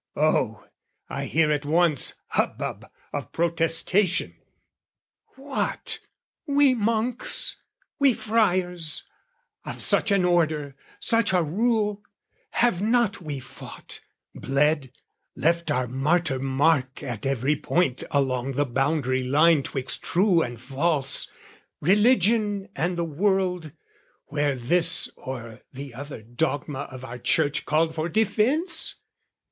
Oh, I hear at once Hubbub of protestation! "What, we monks "We friars, of such an order, such a rule, "Have not we fought, bled, left our martyr mark "At every point along the boundary line "'Twixt true and false, religion and the world, "Where this or the other dogma of our Church "Called for defence?"